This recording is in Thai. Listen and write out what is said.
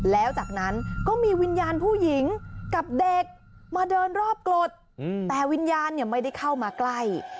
แล้วจากนั้นก็มีวิญญาณผู้หญิงกับเด็กมาเดินรอบกรดแต่วิญญาณเนี่ยไม่ได้เข้ามาใกล้